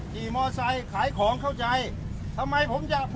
สายมอสไซค์ไขของเข้าใจครับทำไมย่า